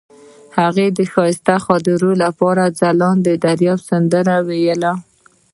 هغې د ښایسته خاطرو لپاره د ځلانده دریاب سندره ویله.